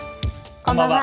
こんばんは。